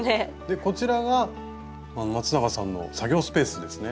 こちらがまつながさんの作業スペースですね。